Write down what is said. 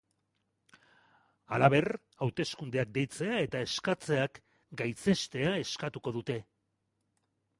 Halaber, hauteskundeak deitzea eta eskatzeak gaitzestea eskatuko dute.